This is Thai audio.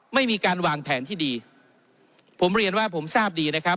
ไม่มีการวางแผนที่ดีผมเรียนว่าผมทราบดีนะครับ